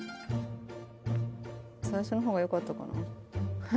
最初の方がよかったかな？